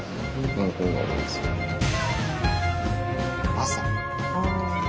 朝。